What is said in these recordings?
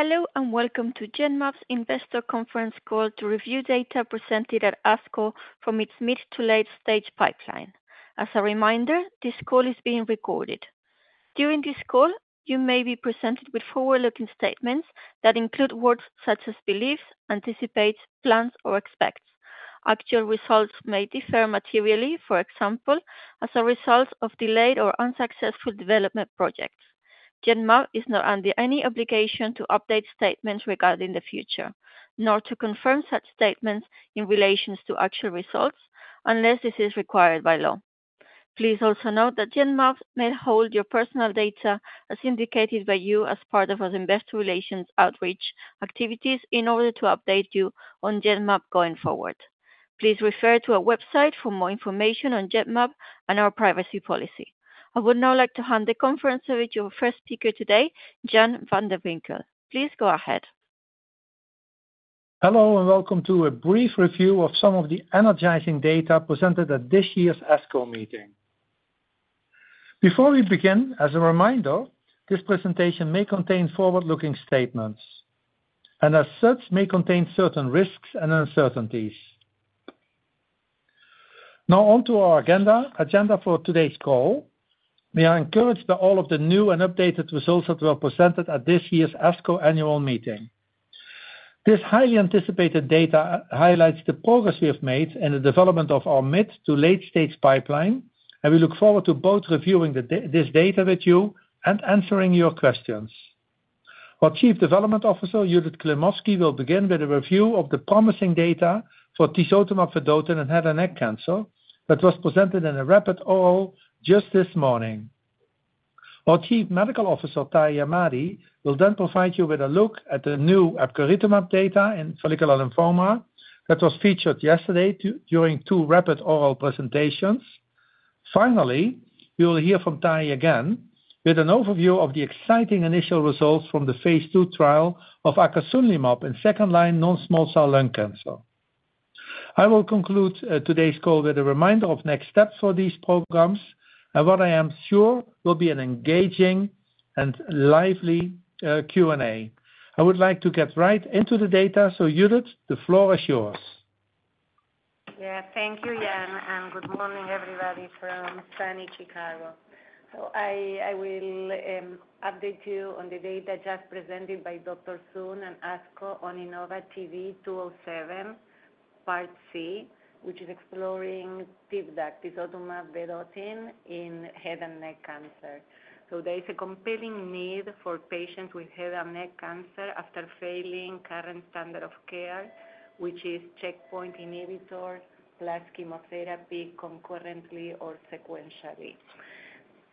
Hello, and welcome to Genmab's Investor Conference Call to review data presented at ASCO from its mid- to late-stage pipeline. As a reminder, this call is being recorded. During this call, you may be presented with forward-looking statements that include words such as beliefs, anticipate, plans, or expects. Actual results may differ materially, for example, as a result of delayed or unsuccessful development projects. Genmab is not under any obligation to update statements regarding the future, nor to confirm such statements in relation to actual results, unless this is required by law. Please also note that Genmab may hold your personal data as indicated by you as part of our investor relations outreach activities in order to update you on Genmab going forward. Please refer to our website for more information on Genmab and our privacy policy. I would now like to hand the conference over to your first speaker today, Jan van de Winkel. Please go ahead. Hello, and welcome to a brief review of some of the energizing data presented at this year's ASCO meeting. Before we begin, as a reminder, this presentation may contain forward-looking statements, and as such, may contain certain risks and uncertainties. Now on to our agenda for today's call. We are encouraged by all of the new and updated results that were presented at this year's ASCO annual meeting. This highly anticipated data highlights the progress we have made in the development of our mid- to late-stage pipeline, and we look forward to both reviewing this data with you and answering your questions. Our Chief Development Officer, Judith Klimovsky, will begin with a review of the promising data for tisotumab vedotin in head and neck cancer that was presented in a rapid oral just this morning. Our Chief Medical Officer, Tahi Ahmadi, will then provide you with a look at the new epcoritamab data in follicular lymphoma that was featured yesterday, too, during two rapid oral presentations. Finally, you will hear from Tahamtan again with an overview of the exciting initial results from the phase II trial of acasunlimab in second-line non-small cell lung cancer. I will conclude today's call with a reminder of next steps for these programs and what I am sure will be an engaging and lively Q&A. I would like to get right into the data, so Judith, the floor is yours. Yeah. Thank you, Jan, and good morning, everybody from sunny Chicago. I will update you on the data just presented by Dr. Sun at ASCO on innovaTV 207, part C, which is exploring tisotumab vedotin in head and neck cancer. There is a compelling need for patients with head and neck cancer after failing current standard of care, which is checkpoint inhibitor plus chemotherapy, concurrently or sequentially.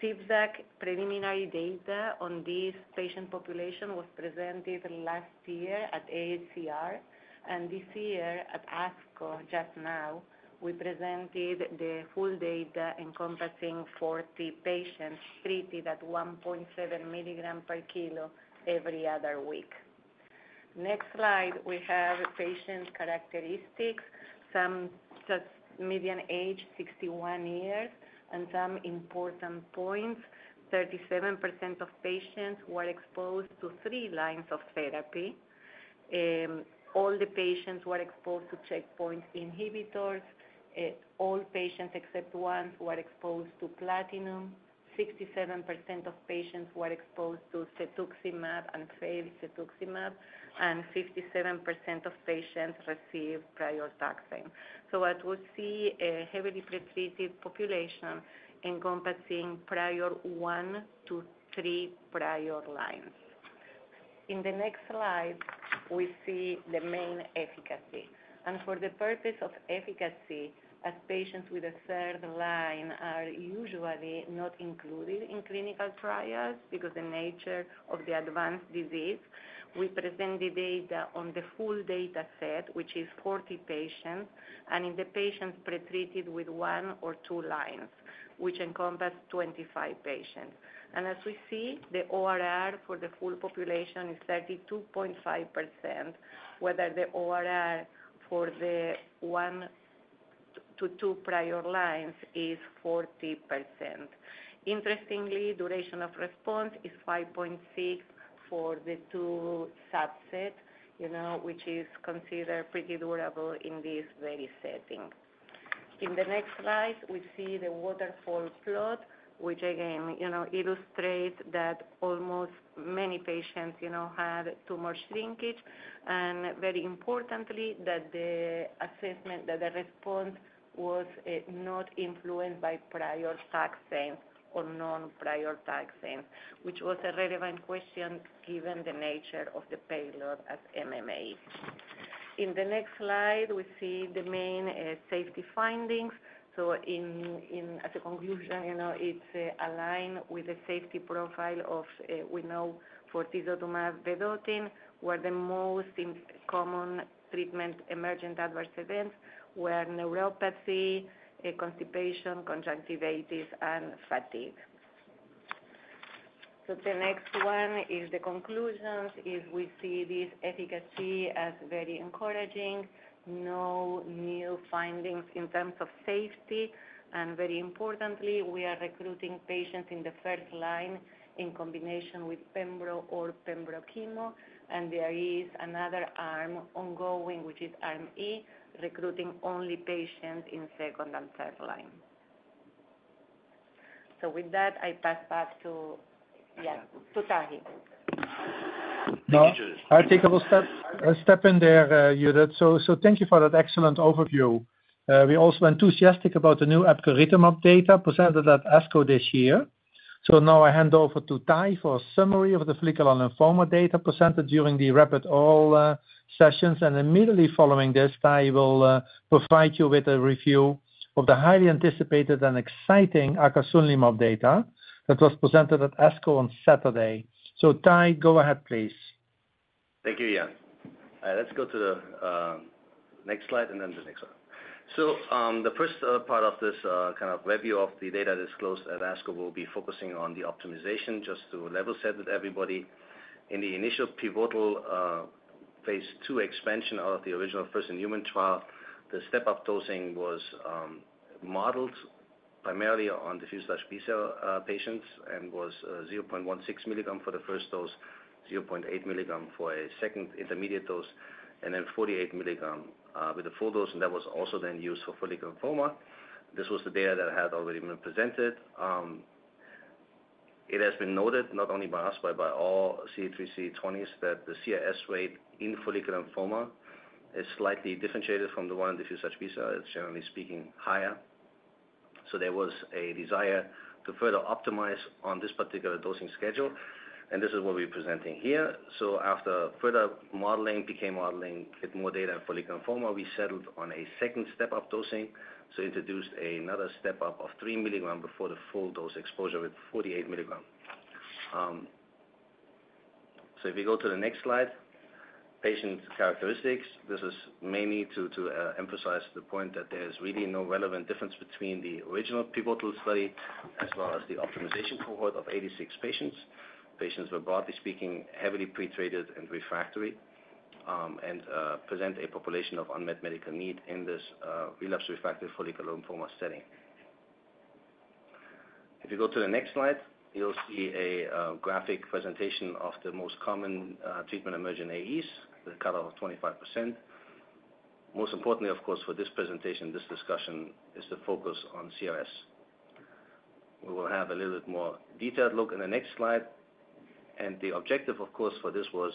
Tisotumab vedotin preliminary data on this patient population was presented last year at AACR, and this year at ASCO, just now, we presented the full data encompassing 40 patients treated at 1.7 mg per kilo every other week. Next slide, we have patient characteristics, some just median age, 61 years, and some important points, 37% of patients were exposed to three lines of therapy. All the patients were exposed to checkpoint inhibitors. All patients, except one, were exposed to platinum. 67% of patients were exposed to cetuximab and failed cetuximab, and 57% of patients received prior taxane. So what we see a heavily pretreated population encompassing prior 1 to 3 prior lines. In the next slide, we see the main efficacy. For the purpose of efficacy, as patients with a third line are usually not included in clinical trials because the nature of the advanced disease, we present the data on the full data set, which is 40 patients, and in the patients pretreated with one or two lines, which encompass 25 patients. As we see, the ORR for the full population is 32.5%, while the ORR for the one to two prior lines is 40%. Interestingly, duration of response is 5.6 for the two subset, you know, which is considered pretty durable in this very setting. In the next slide, we see the waterfall plot, which again, you know, illustrates that almost many patients, you know, had tumor shrinkage, and very importantly, that the assessment that the response was not influenced by prior taxane or non-prior taxane, which was a relevant question, given the nature of the payload at MMAE. In the next slide, we see the main safety findings. So in as a conclusion, you know, it's aligned with the safety profile of we know for tisotumab vedotin, where the most common treatment emergent adverse events were neuropathy, constipation, conjunctivitis, and fatigue. So the next one is the conclusions, is we see this efficacy as very encouraging. No new findings in terms of safety, and very importantly, we are recruiting patients in the first line in combination with pembro or pembro chemo, and there is another arm ongoing, which is arm E, recruiting only patients in second and third line. So with that, I pass back to, yeah, to Tahi. No, I think I will step in there, Judith. So thank you for that excellent overview. We're also enthusiastic about the new epcoritamab data presented at ASCO this year. So now I hand over to Tahi for a summary of the follicular lymphoma data presented during the rapid oral sessions, and immediately following this, Tahi will provide you with a review of the highly anticipated and exciting acasunlimab data that was presented at ASCO on Saturday. So Tahi, go ahead, please. Thank you, Jan. Let's go to the next slide, and then the next one. So, the first part of this kind of review of the data disclosed at ASCO will be focusing on the optimization, just to level set with everybody. In the initial pivotal phase II expansion of the original first-in-human trial, the step-up dosing was modeled primarily on diffuse large B-cell patients and was 0.16 mg for the first dose, 0.8 mg for a second intermediate dose, and then 48 mg with the full dose, and that was also then used for follicular lymphoma. This was the data that had already been presented. It has been noted, not only by us, but by all CD3, CD20s, that the CRS rate in Follicular Lymphoma is slightly differentiated from the one diffuse large B-cell. It's generally speaking, higher. So there was a desire to further optimize on this particular dosing schedule, and this is what we're presenting here. So after further modeling, PK modeling, get more data in Follicular Lymphoma, we settled on a second step-up dosing, so introduced another step-up of 3 mg before the full dose exposure with 48 mg. So if you go to the next slide, patient characteristics. This is mainly to emphasize the point that there's really no relevant difference between the original pivotal study as well as the optimization cohort of 86 patients. Patients were, broadly speaking, heavily pre-treated and refractory, and present a population of unmet medical need in this relapsed refractory follicular lymphoma setting. If you go to the next slide, you'll see a graphic presentation of the most common treatment-emergent AEs, the cutoff of 25%. Most importantly, of course, for this presentation, this discussion is the focus on CRS. We will have a little bit more detailed look in the next slide. And the objective, of course, for this was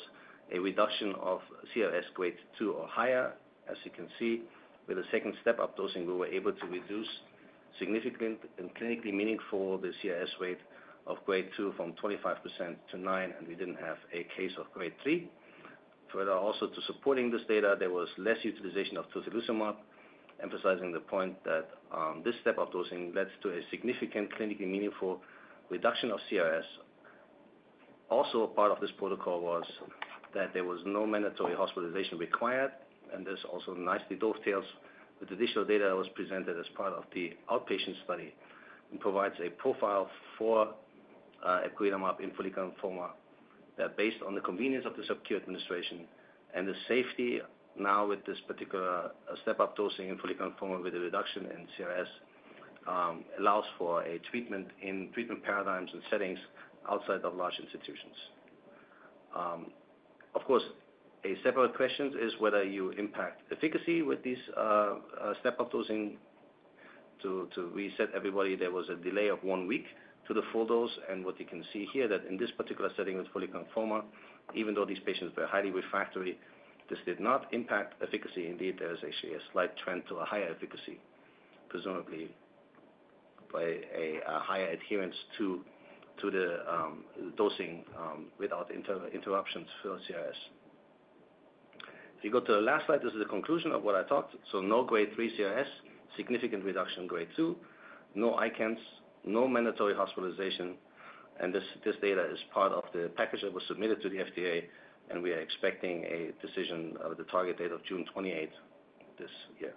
a reduction of CRS Grade 2 or higher. As you can see, with the second step-up dosing, we were able to reduce significant and clinically meaningful the CRS rate of Grade 2 from 25% to 9%, and we didn't have a case of Grade 3. Further also to supporting this data, there was less utilization of Tocilizumab, emphasizing the point that, this step-up dosing leads to a significant clinically meaningful reduction of CRS. Also, a part of this protocol was that there was no mandatory hospitalization required, and this also nicely dovetails with additional data that was presented as part of the outpatient study and provides a profile for, epcoritamab in Follicular Lymphoma. That, based on the convenience of the subQ administration and the safety now with this particular, step-up dosing in Follicular Lymphoma with a reduction in CRS, allows for a treatment in treatment paradigms and settings outside of large institutions. Of course, a separate question is whether you impact efficacy with this, step-up dosing. Reset everybody, there was a delay of one week to the full dose, and what you can see here, that in this particular setting with follicular lymphoma, even though these patients were highly refractory, this did not impact efficacy. Indeed, there is actually a slight trend to a higher efficacy, presumably by a higher adherence to the dosing without interruptions for CRS. If you go to the last slide, this is the conclusion of what I talked. So no grade three CRS, significant reduction in grade two, no ICANS, no mandatory hospitalization, and this data is part of the package that was submitted to the FDA, and we are expecting a decision of the target date of June 28, this year.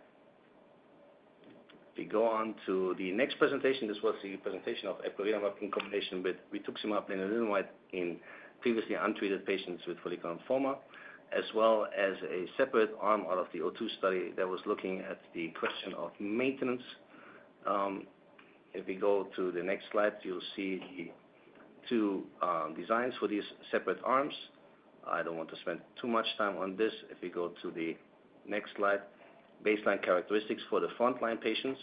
If we go on to the next presentation, this was the presentation of epcoritamab in combination with rituximab and irinotecan in previously untreated patients with follicular lymphoma, as well as a separate arm out of the O2 study that was looking at the question of maintenance. If we go to the next slide, you'll see the two designs for these separate arms. I don't want to spend too much time on this. If you go to the next slide, baseline characteristics for the frontline patients.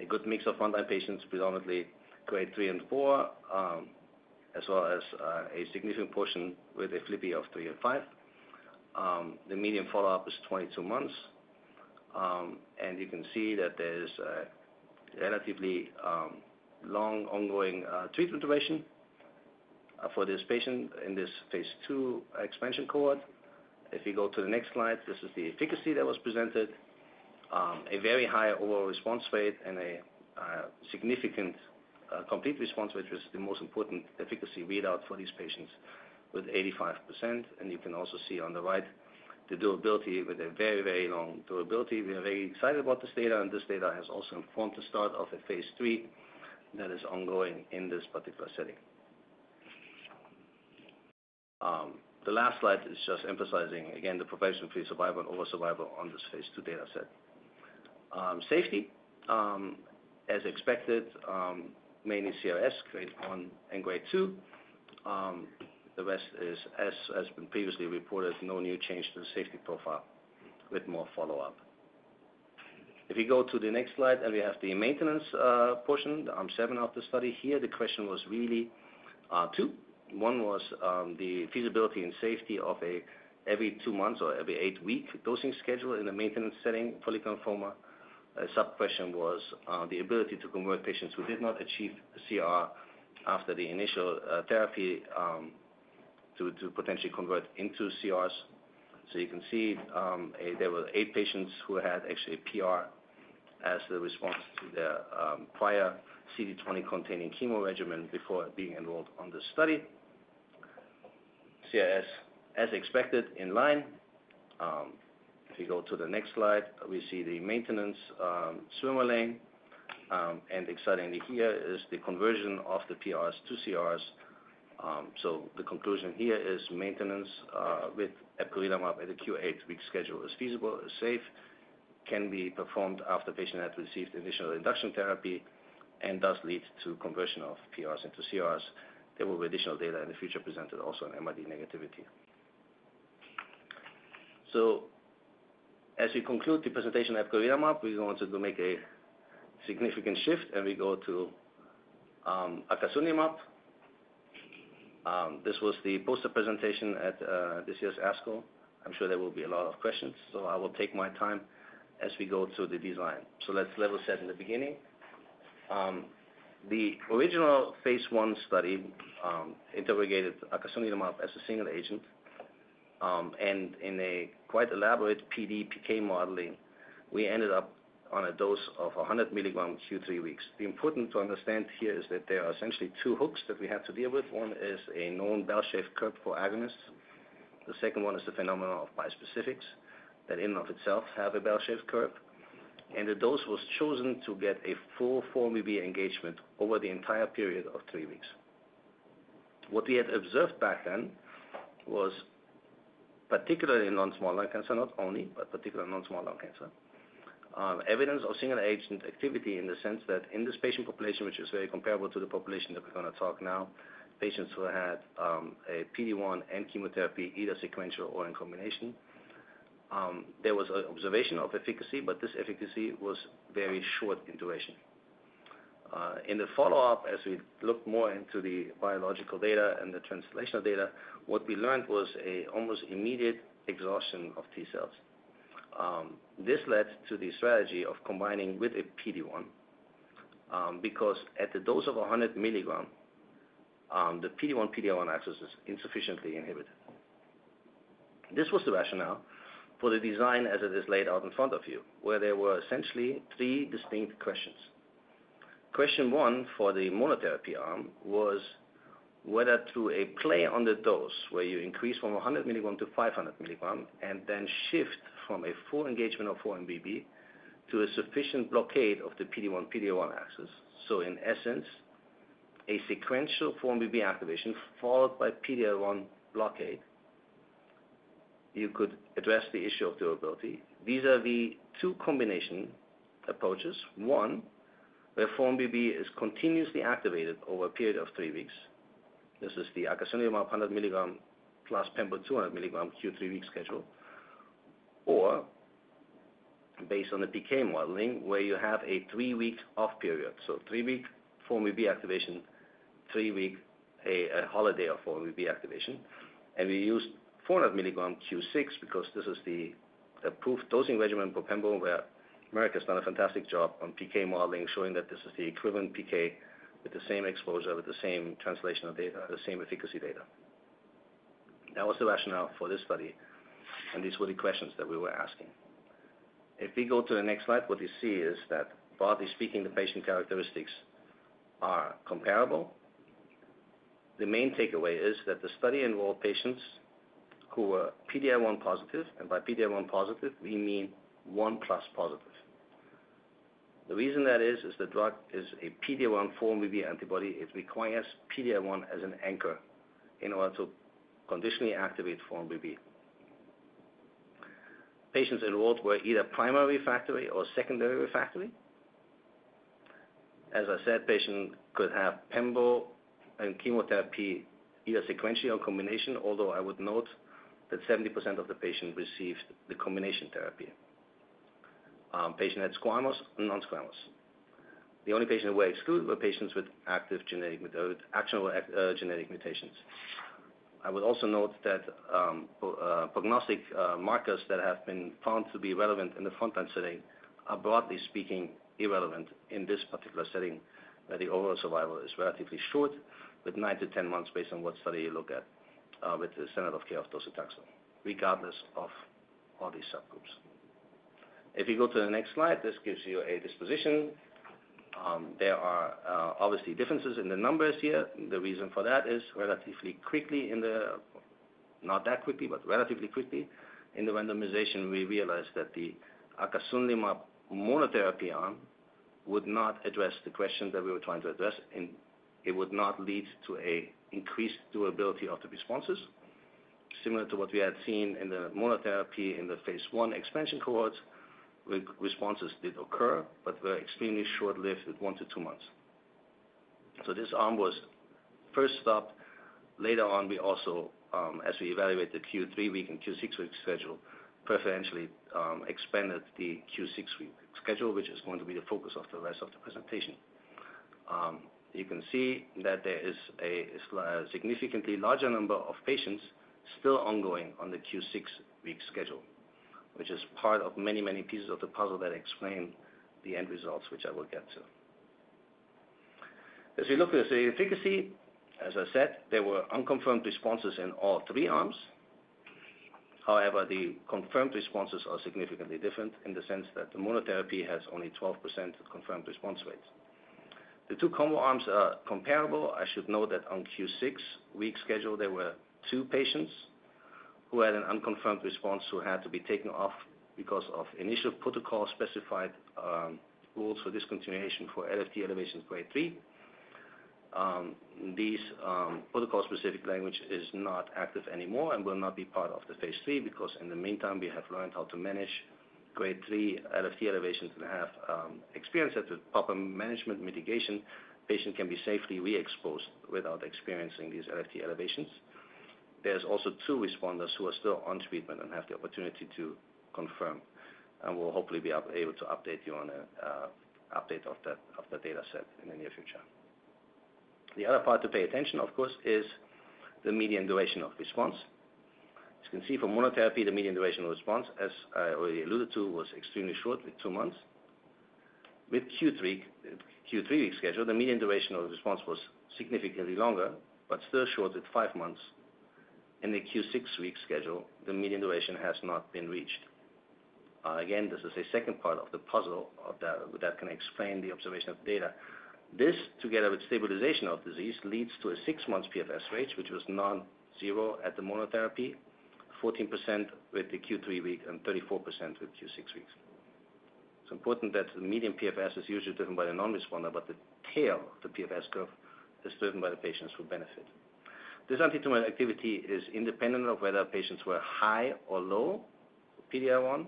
A good mix of frontline patients, predominantly Grade 3 and 4, as well as a significant portion with a FLIPI of three and five. The median follow-up is 22 months, and you can see that there's a relatively long ongoing treatment duration for this patient in this phase II expansion cohort. If you go to the next slide, this is the efficacy that was presented. A very high overall response rate and a significant complete response, which was the most important efficacy readout for these patients... with 85%, and you can also see on the right, the durability with a very, very long durability. We are very excited about this data, and this data has also informed the start of a phase III that is ongoing in this particular setting. The last slide is just emphasizing, again, the progression-free survival and overall survival on this phase II data set. Safety, as expected, mainly CRS, Grade 1 and Grade 2. The rest is as has been previously reported, no new change to the safety profile with more follow-up. If you go to the next slide, and we have the maintenance portion, the Arm 7 of the study here, the question was really two. One was the feasibility and safety of a every two months or every eight-week dosing schedule in a maintenance setting, fully conformer. A sub-question was the ability to convert patients who did not achieve CR after the initial therapy to potentially convert into CRs. So you can see, there were eight patients who had actually PR as the response to their prior CD20 containing chemo regimen before being enrolled on this study. CRS, as expected, in line. If you go to the next slide, we see the maintenance swim lane, and excitingly, here is the conversion of the PRs to CRs. So the conclusion here is maintenance with epcoritamab at a Q8-week schedule is feasible, is safe, can be performed after patient had received additional induction therapy, and does lead to conversion of PRs into CRs. There will be additional data in the future presented also on MRD negativity. So as we conclude the presentation of epcoritamab, we wanted to make a significant shift, and we go to atezolizumab. This was the poster presentation at this year's ASCO. I'm sure there will be a lot of questions, so I will take my time as we go through the design. So let's level set in the beginning. The original phase I study interrogated atezolizumab as a single agent, and in a quite elaborate PD/PK modeling, we ended up on a dose of 100 mg Q3-weeks. The important to understand here is that there are essentially two hooks that we have to deal with. One is a known bell-shaped curve for agonists. The second one is the phenomenon of bispecifics, that in and of itself, have a bell-shaped curve, and the dose was chosen to get a full 4-1BB engagement over the entire period of three weeks. What we had observed back then was, particularly in non-small cell cancer, not only, but particularly non-small cell cancer, evidence of single agent activity in the sense that in this patient population, which is very comparable to the population that we're going to talk now, patients who had, a PD-1 and chemotherapy, either sequential or in combination, there was an observation of efficacy, but this efficacy was very short in duration. In the follow-up, as we looked more into the biological data and the translational data, what we learned was an almost immediate exhaustion of T cells. This led to the strategy of combining with a PD-1, because at the dose of 100 mg, the PD-1, PD-L1 axis is insufficiently inhibited. This was the rationale for the design as it is laid out in front of you, where there were essentially three distinct questions. Question one, for the monotherapy arm, was whether through a play on the dose, where you increase from 100 mg to 500 mg, and then shift from a full engagement of 4-1BB to a sufficient blockade of the PD-1, PD-L1 axis. So in essence, a sequential 4-1BB activation followed by PD-L1 blockade, you could address the issue of durability. These are the two combination approaches. One, where 4-1BB is continuously activated over a period of three weeks. This is the atezolizumab 100 mg plus pembro 200 mg Q3-week schedule, or based on the PK modeling, where you have a three-week off period. So three-week 4-1BB activation, three-week holiday of 4-1BB activation. And we use 400 mg Q6 because this is the proof dosing regimen for pembro, where Amgen's done a fantastic job on PK modeling, showing that this is the equivalent PK with the same exposure, with the same translational data, the same efficacy data. That was the rationale for this study, and these were the questions that we were asking. If we go to the next slide, what you see is that broadly speaking, the patient characteristics are comparable. The main takeaway is that the study involved patients who were PD-L1 positive, and by PD-L1 positive, we mean 1+ positive. The reason that is, is the drug is a PD-L1 4-1BB antibody. It requires PD-L1 as an anchor in order to conditionally activate 4-1BB. Patients enrolled were either primary refractory or secondary refractory. As I said, patient could have pembro and chemotherapy, either sequential or combination, although I would note that 70% of the patient received the combination therapy. Patient had squamous and non-squamous. The only patient who were excluded were patients with active genetic mutations. I would also note that, prognostic markers that have been found to be relevant in the frontline setting are, broadly speaking, irrelevant in this particular setting, where the overall survival is relatively short, with 9-10 months based on what study you look at, with the standard of care of docetaxel, regardless of all these subgroups. If you go to the next slide, this gives you a disposition. There are obviously differences in the numbers here. The reason for that is relatively quickly in the, not that quickly, but relatively quickly in the randomization, we realized that the acasunlimab monotherapy arm would not address the question that we were trying to address, and it would not lead to an increased durability of the responses. Similar to what we had seen in the monotherapy in the phase I expansion cohorts, responses did occur, but were extremely short-lived at 1-2 months. So this arm was first stopped. Later on, we also, as we evaluate the q3 week and q6-week schedule, preferentially, expanded the q6-week schedule, which is going to be the focus of the rest of the presentation. You can see that there is a significantly larger number of patients still ongoing on the q6 week schedule, which is part of many, many pieces of the puzzle that explain the end results, which I will get to. As you look at the efficacy, as I said, there were unconfirmed responses in all three arms. However, the confirmed responses are significantly different in the sense that the monotherapy has only 12% confirmed response rates. The two combo arms are comparable. I should note that on Q6-week schedule, there were two patients who had an unconfirmed response, who had to be taken off because of initial protocol specified rules for discontinuation for LFT elevations Grade 3. These protocol-specific language is not active anymore and will not be part of the phase III, because in the meantime, we have learned how to manage Grade 3 LFT elevations and have experience that with proper management mitigation, patient can be safely re-exposed without experiencing these LFT elevations. There's also two responders who are still on treatment and have the opportunity to confirm, and we'll hopefully be able to update you on a update of that, of the data set in the near future. The other part to pay attention, of course, is the median duration of response. As you can see from monotherapy, the median duration of response, as I already alluded to, was extremely short, with two months. With Q3, Q3-week schedule, the median duration of response was significantly longer, but still short at five months. In the Q6-week schedule, the median duration has not been reached. Again, this is a second part of the puzzle of that, that can explain the observation of data. This, together with stabilization of disease, leads to a siix months PFS rate, which was non-zero at the monotherapy, 14% with the Q3 week, and 34% with Q6 weeks. It's important that the median PFS is usually driven by the non-responder, but the tail of the PFS curve is driven by the patients who benefit. This antitumor activity is independent of whether patients were high or low PD-L1,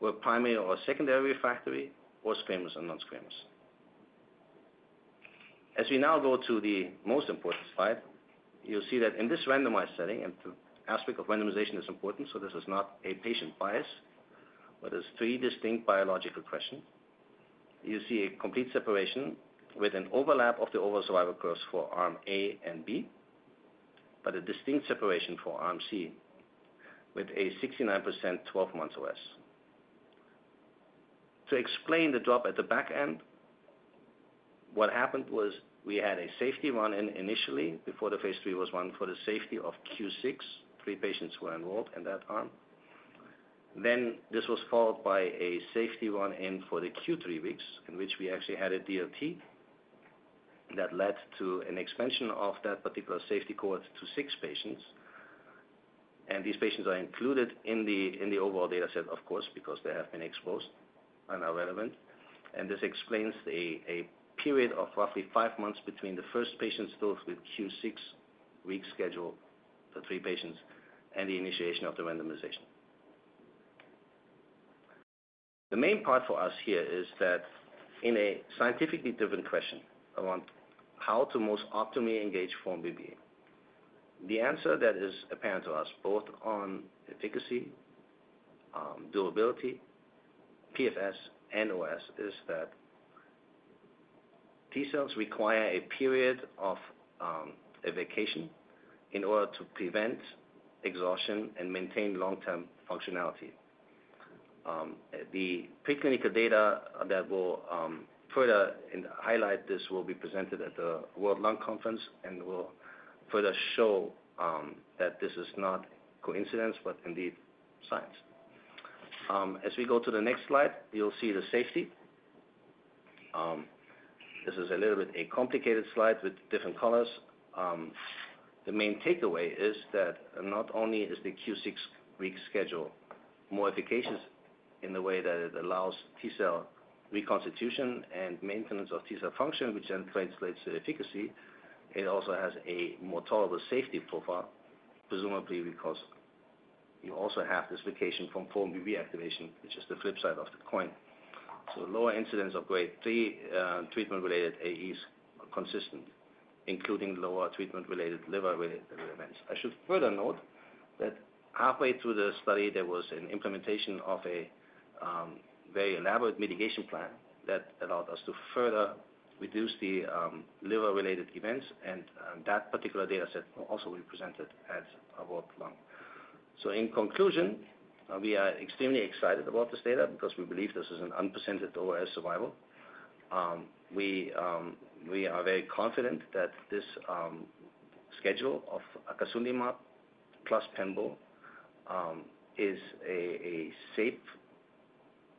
were primary or secondary refractory, or squamous or non-squamous. As we now go to the most important slide, you'll see that in this randomized setting, and the aspect of randomization is important, so this is not a patient bias, but is three distinct biological questions. You see a complete separation with an overlap of the overall survival curves for arm A and B, but a distinct separation for arm C, with a 69% 12-month OS. To explain the drop at the back end, what happened was we had a safety run-in initially, before the phase III was run for the safety of Q6, three patients were enrolled in that arm. Then this was followed by a safety run-in for the Q3 weeks, in which we actually had a DLT that led to an expansion of that particular safety cohort to six patients. These patients are included in the overall data set, of course, because they have been exposed and are relevant. This explains a period of roughly five months between the first patient's dose with q6 week schedule, the three patients, and the initiation of the randomization. The main part for us here is that in a scientifically driven question around how to most optimally engage 4-1BB, the answer that is apparent to us, both on efficacy, durability, PFS, and OS, is that T-cells require a period of a vacation in order to prevent exhaustion and maintain long-term functionality. The preclinical data that will further and highlight this will be presented at the World Lung Conference and will further show that this is not coincidence, but indeed science. As we go to the next slide, you'll see the safety. This is a little bit a complicated slide with different colors. The main takeaway is that not only is the q6 week schedule more efficacious in the way that it allows T-cell reconstitution and maintenance of T-cell function, which then translates to efficacy, it also has a more tolerable safety profile, presumably because you also have this vacation from 4-1BB activation, which is the flip side of the coin. So lower incidence of Grade 3 treatment-related AEs are consistent, including lower treatment-related, liver-related events. I should further note that halfway through the study, there was an implementation of a very elaborate mitigation plan that allowed us to further reduce the liver-related events, and that particular data set will also be presented at a World Lung. So in conclusion, we are extremely excited about this data because we believe this is an unprecedented OS survival. We are very confident that this schedule of acasunlimab plus pembro is a safe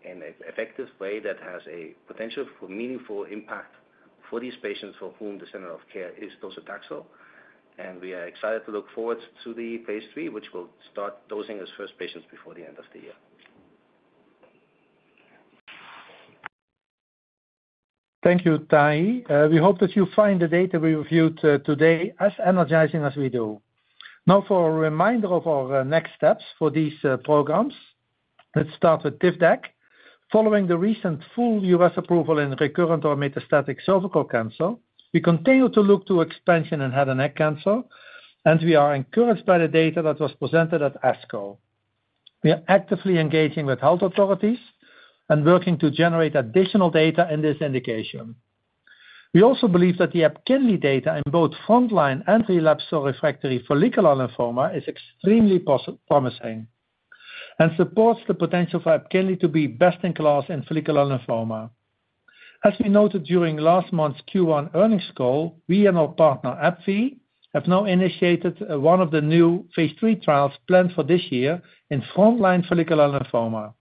and an effective way that has a potential for meaningful impact for these patients for whom the standard of care is docetaxel, and we are excited to look forward to the phase III, which will start dosing its first patients before the end of the year. Thank you, Tahi. We hope that you find the data we reviewed today as energizing as we do. Now, for a reminder of our next steps for these programs, let's start with Tivdak. Following the recent full U.S. approval in recurrent or metastatic cervical cancer, we continue to look to expansion in head and neck cancer, and we are encouraged by the data that was presented at ASCO. We are actively engaging with health authorities and working to generate additional data in this indication. We also believe that the EPKINLY data in both frontline and relapsed or refractory follicular lymphoma is extremely promising, and supports the potential for EPKINLY to be best in class in follicular lymphoma. As we noted during last month's Q1 earnings call, we and our partner, AbbVie, have now initiated one of the new phase III trials planned for this year in frontline follicular lymphoma.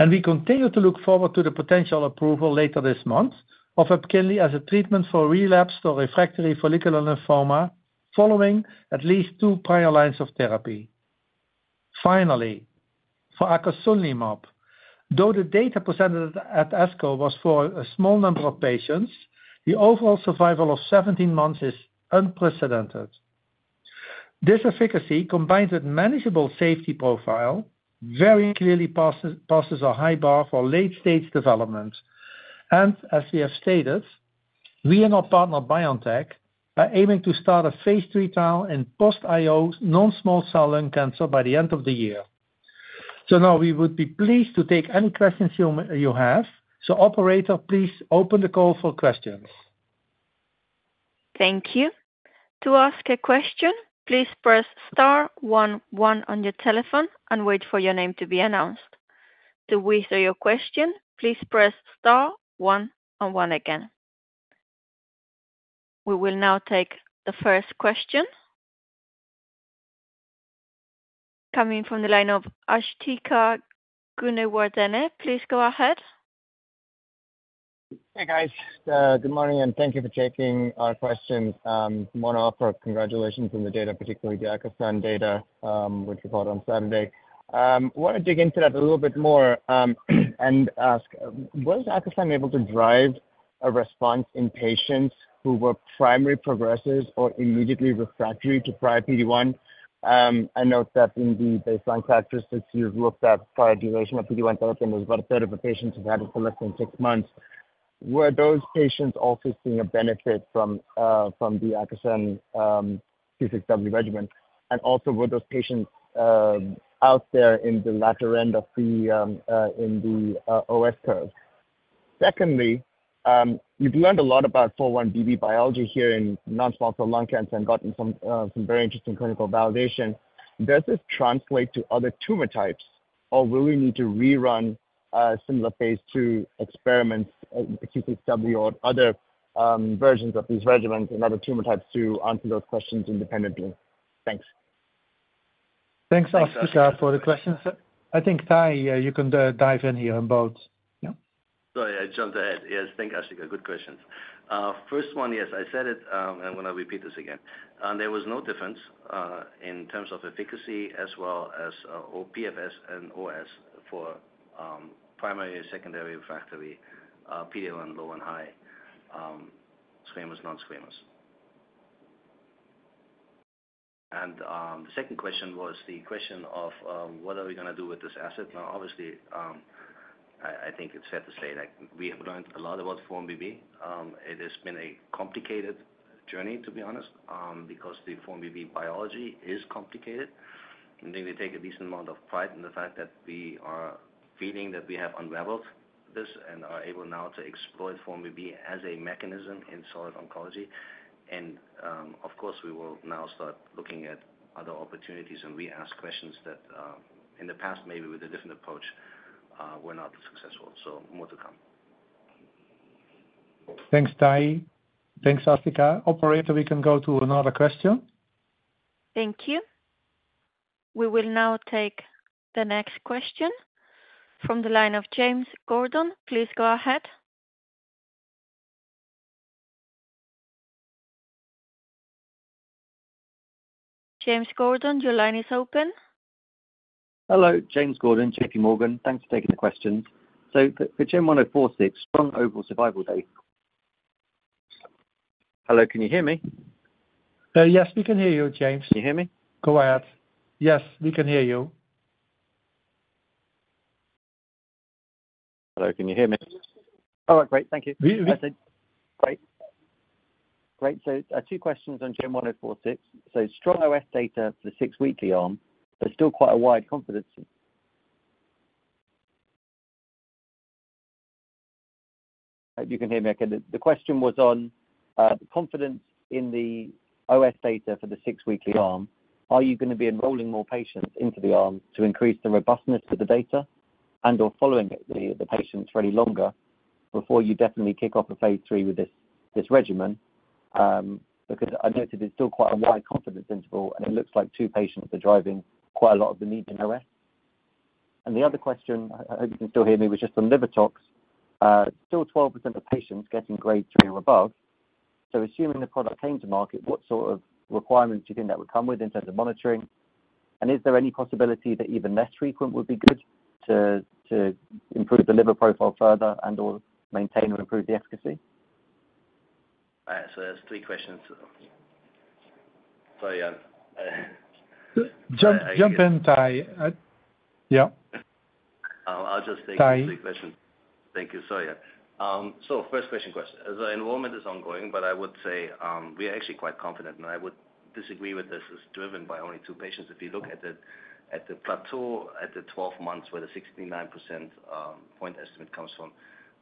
We continue to look forward to the potential approval later this month of EPKINLY as a treatment for relapsed or refractory follicular lymphoma, following at least two prior lines of therapy. Finally, for acasunlimab, though the data presented at ASCO was for a small number of patients, the overall survival of 17 months is unprecedented. This efficacy, combined with manageable safety profile, very clearly passes a high bar for late-stage development. As we have stated, we and our partner, BioNTech, are aiming to start a phase III trial in post-IO non-small cell lung cancer by the end of the year. So now we would be pleased to take any questions you have. So operator, please open the call for questions. Thank you. To ask a question, please press star one one on your telephone and wait for your name to be announced. To withdraw your question, please press star one and one again. We will now take the first question. Coming from the line of Asthika Goonewardene. Please go ahead. Hey, guys, good morning, and thank you for taking our questions. Wanna offer congratulations on the data, particularly the acasunlimab data, which you got on Saturday. Wanna dig into that a little bit more, and ask: Was acasunlimab able to drive a response in patients who were primary progressors or immediately refractory to prior PD-1? I note that in the baseline characteristics, you've looked at prior duration of PD-1 treatment; it was about a third of the patients who had it for less than six months. Were those patients also seeing a benefit from the acasunlimab T-V regimen? And also, were those patients out there in the latter end of the OS curve? Secondly, you've learned a lot about 4-1BB biology here in non-small cell lung cancer and gotten some very interesting clinical validation. Does this translate to other tumor types, or will we need to rerun a similar phase II experiments, Q6W or other versions of these regimens and other tumor types to answer those questions independently? Thanks. Thanks, Asthika, for the questions. I think, Tahi, you can dive in here on both. Yeah. Sorry, I jumped ahead. Yes, thank you, Asthika. Good questions. First one, yes, I said it, and I'm gonna repeat this again. There was no difference in terms of efficacy as well as, oh, PFS and OS for primary and secondary refractory, PD-L1 low and high, squamous, non-squamous. And, the second question was the question of what are we gonna do with this asset? Now, obviously, I think it's fair to say that we have learned a lot about 4-1BB. It has been a complicated journey, to be honest, because the 4-1BB biology is complicated. And we may take a decent amount of pride in the fact that we are feeling that we have unraveled this and are able now to explore 4-1BB as a mechanism in solid oncology. Of course, we will now start looking at other opportunities, and reask questions that, in the past, maybe with a different approach, were not successful. More to come. Thanks, Tahi. Thanks, Asthika. Operator, we can go to another question. Thank you. We will now take the next question from the line of James Gordon. Please go ahead. James Gordon, your line is open. Hello, James Gordon, JPMorgan. Thanks for taking the questions. So for GEN1046, strong overall survival data... Hello, can you hear me? Yes, we can hear you, James. Can you hear me? Go ahead. Yes, we can hear you. Hello, can you hear me? All right, great. Thank you. We-we- That's it. Great. Great, so, two questions on GEN1046. So strong OS data for the six-weekly arm, but still quite a wide confidence... If you can hear me again, the question was on the confidence in the OS data for the six-weekly arm. Are you gonna be enrolling more patients into the arm to increase the robustness of the data? And/or following it, the patients for any longer?... before you definitely kick off a phase III with this, this regimen? Because I noted it's still quite a wide confidence interval, and it looks like two patients are driving quite a lot of the need to know it. And the other question, I hope you can still hear me, was just on liver tox. Still 12% of patients getting Grade three or above. So assuming the product came to market, what sort of requirements do you think that would come with in terms of monitoring? And is there any possibility that even less frequent would be good to improve the liver profile further and or maintain or improve the efficacy? So there's three questions. Sorry, Jump, jump in, Tahi. Yeah. I'll just take- Tahi. Thank you. Sorry. So first question. As our enrollment is ongoing, but I would say, we are actually quite confident, and I would disagree with this, is driven by only two patients. If you look at the plateau at the 12 months, where the 69% point estimate comes from,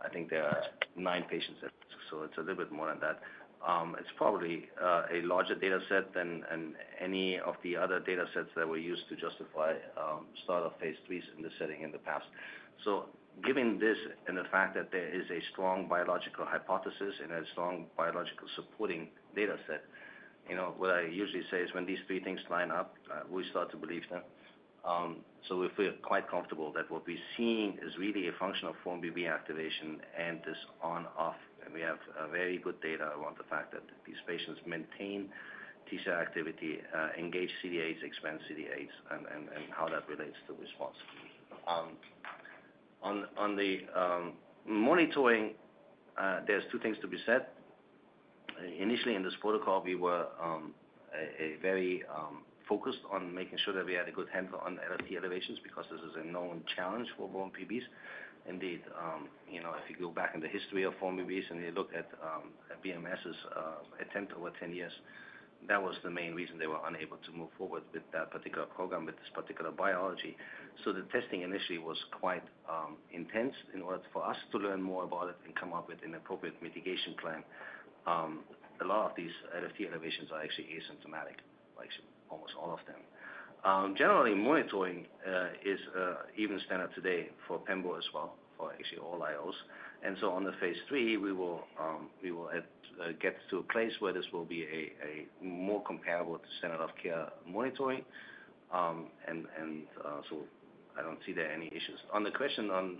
I think there are nine patients there. So it's a little bit more than that. It's probably a larger data set than any of the other data sets that we use to justify start of phase III in this setting in the past. So given this and the fact that there is a strong biological hypothesis and a strong biological supporting data set, you know, what I usually say is when these three things line up, we start to believe them. So we feel quite comfortable that what we're seeing is really a function of 4-1BB activation and this on/off, and we have very good data around the fact that these patients maintain T cell activity, engage CD8, expand CD8, and how that relates to response. On the monitoring, there's two things to be said. Initially, in this protocol we were very focused on making sure that we had a good handle on LFT elevations because this is a known challenge for 4-1BBs. Indeed, you know, if you go back in the history of 4-1BBs and you look at BMS's attempt over 10 years, that was the main reason they were unable to move forward with that particular program, with this particular biology. So the testing initially was quite intense in order for us to learn more about it and come up with an appropriate mitigation plan. A lot of these LFT elevations are actually asymptomatic, like almost all of them. Generally, monitoring is even standard today for Pembro as well, for actually all IOs. And so on the phase III, we will get to a place where this will be more comparable to standard of care monitoring. And so I don't see there any issues. On the question on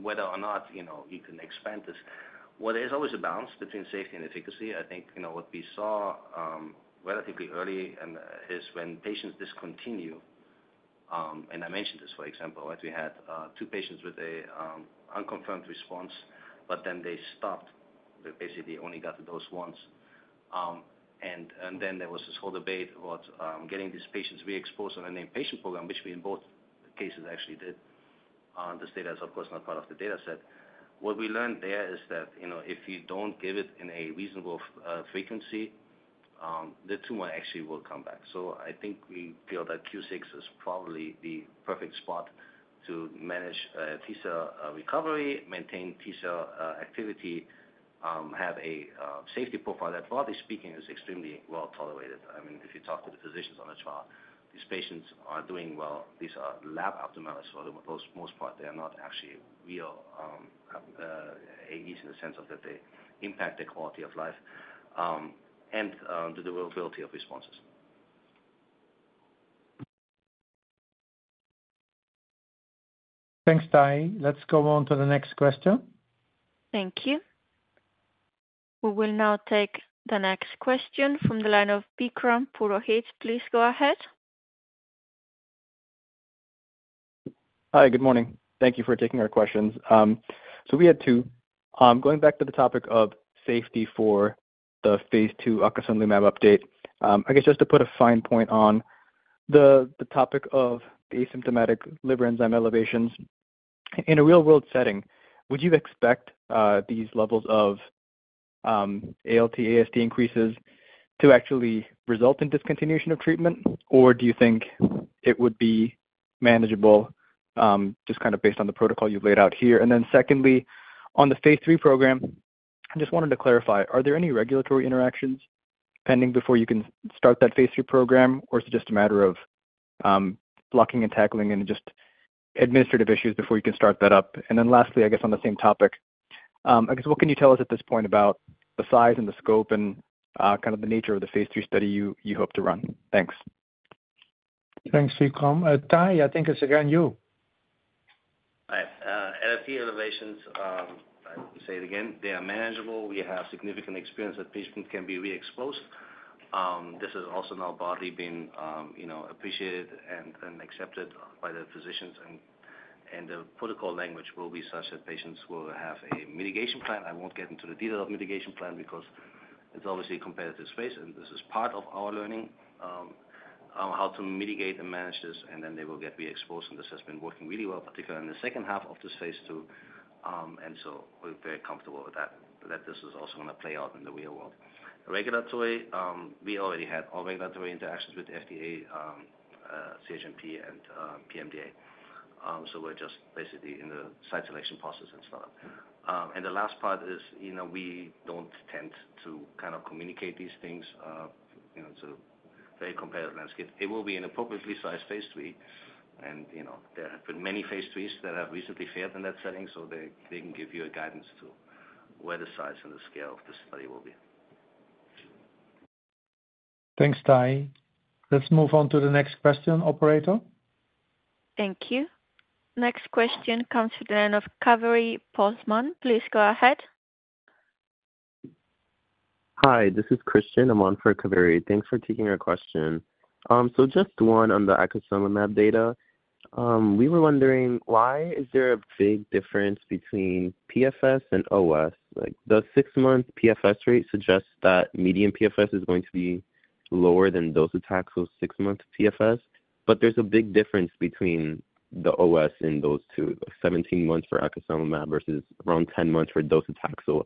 whether or not, you know, we can expand this. Well, there's always a balance between safety and efficacy. I think, you know, what we saw relatively early and is when patients discontinue, and I mentioned this, for example, that we had 2 patients with a unconfirmed response, but then they stopped. They basically only got the dose once. And then there was this whole debate about getting these patients reexposed on an inpatient program, which we in both cases actually did. This data is, of course, not part of the data set. What we learned there is that, you know, if you don't give it in a reasonable frequency, the tumor actually will come back. So I think we feel that Q6 is probably the perfect spot to manage T cell recovery, maintain T cell activity, have a safety profile that, broadly speaking, is extremely well tolerated. I mean, if you talk to the physicians on the trial, these patients are doing well. These are lab abnormalities for the most part. They are not actually real AEs in the sense of that they impact their quality of life, and the durability of responses. Thanks, Tahi. Let's go on to the next question. Thank you. We will now take the next question from the line of Vikram Purohit. Please go ahead. Hi, good morning. Thank you for taking our questions. So we had two. Going back to the topic of safety for the phase II acasunlimab update. I guess just to put a fine point on the, the topic of the asymptomatic liver enzyme elevations. In a real-world setting, would you expect, these levels of, ALT, AST increases to actually result in discontinuation of treatment? Or do you think it would be manageable, just kind of based on the protocol you've laid out here? And then secondly, on the phase III program, I just wanted to clarify: are there any regulatory interactions pending before you can start that phase III program, or is it just a matter of, blocking and tackling and just administrative issues before you can start that up? Then lastly, I guess on the same topic, I guess what can you tell us at this point about the size and the scope and kind of the nature of the Phase III study you hope to run? Thanks. Thanks, Vikram. Tahi, I think it's again, you. All right. LFT elevations, I'll say it again, they are manageable. We have significant experience that patients can be reexposed. This is also now broadly being, you know, appreciated and, and accepted by the physicians, and, and the protocol language will be such that patients will have a mitigation plan. I won't get into the detail of mitigation plan because it's obviously a competitive space, and this is part of our learning, on how to mitigate and manage this, and then they will get reexposed. And this has been working really well, particularly in the second half of this Phase II. And so we're very comfortable with that, that this is also going to play out in the real world. Regulatory, we already had all regulatory interactions with the FDA, CHMP and, PMDA. We're just basically in the site selection process and so on. The last part is, you know, we don't tend to kind of communicate these things, you know, it's a very competitive landscape. It will be an appropriately sized Phase III, and, you know, there have been many Phase IIIs that have recently failed in that setting, so they, they can give you a guidance to where the size and the scale of the study will be.... Thanks, Tahi. Let's move on to the next question, operator. Thank you. Next question comes in of Kaveri Pohlman. Please go ahead. Hi, this is Christian. I'm on for Kaveri. Thanks for taking our question. So just one on the acasunlimab data. We were wondering why is there a big difference between PFS and OS? Like, the six-month PFS rate suggests that median PFS is going to be lower than docetaxel's six-month PFS, but there's a big difference between the OS in those two, like 17 months for acasunlimab versus around 10 months for docetaxel.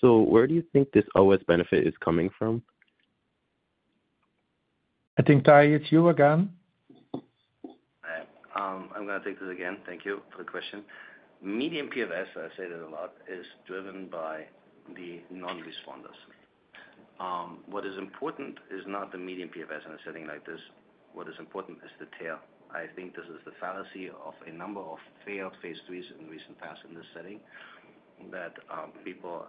So where do you think this OS benefit is coming from? I think, Tahi, it's you again. I'm gonna take this again. Thank you for the question. Median PFS, I say that a lot, is driven by the non-responders. What is important is not the median PFS in a setting like this. What is important is the tail. I think this is the fallacy of a number of failed phase IIIs in recent past in this setting, that people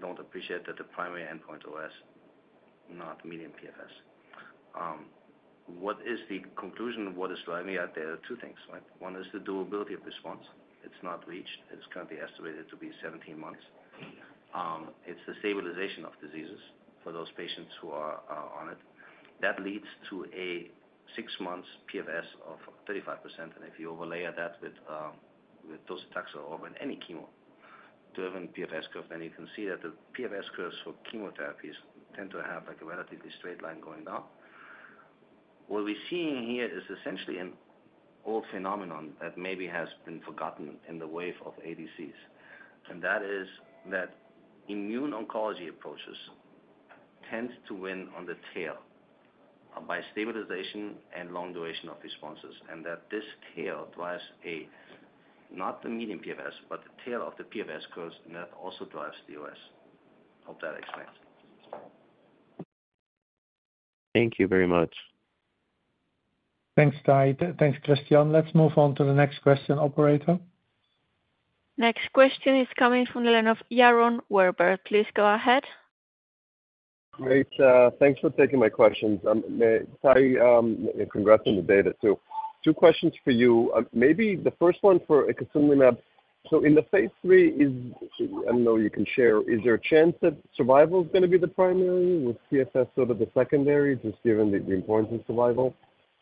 don't appreciate that the primary endpoint OS, not median PFS. What is the conclusion? What is driving it? There are two things, right? One is the durability of response. It's not reached. It's currently estimated to be 17 months. It's the stabilization of diseases for those patients who are, are on it. That leads to a six months PFS of 35%, and if you overlay that with, with docetaxel or with any chemo-driven PFS curve, then you can see that the PFS curves for chemotherapies tend to have, like, a relatively straight line going down. What we're seeing here is essentially an old phenomenon that maybe has been forgotten in the wave of ADCs, and that is that immune oncology approaches tend to win on the tail by stabilization and long duration of responses, and that this tail drives a, not the median PFS, but the tail of the PFS curves, and that also drives the OS. Hope that explains. Thank you very much. Thanks, Tahi. Thanks, Christian. Let's move on to the next question, operator. Next question is coming from the line of Yaron Werber. Please go ahead. Great, thanks for taking my questions. Tahi, and congrats on the data, too. Two questions for you. Maybe the first one for acasunlimab. So in the phase III, I don't know you can share, is there a chance that survival is gonna be the primary, with PFS sort of the secondary, just given the importance of survival?